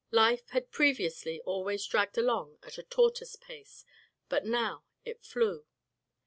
Life had previously always dragged along at a tortoise pace, but now it flew.